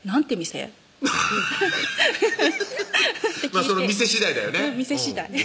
その店しだいだよね